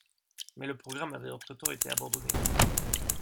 Mais le programme avait entre-temps été abandonné.